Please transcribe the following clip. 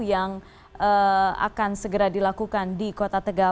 yang akan segera dilakukan di kota tegal